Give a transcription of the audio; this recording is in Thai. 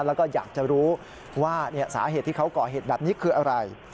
แล้วก็อยากจะรู้ว่าสาเหตุที่เขาก่อเหตุแบบนี้คืออะไร